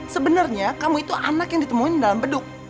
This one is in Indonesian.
sebenarnya kamu itu anak yang ditemuin dalam beduk